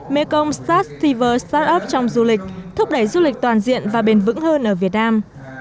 mekong sars thiver startup trong du lịch thúc đẩy du lịch toàn diện và bền vững hơn ở việt nam